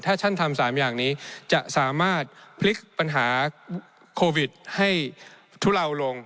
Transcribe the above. ถ้าท่านทำ๓อย่างนี้จะสามารถพลิกปัญหาโควิดให้ทุเลาลง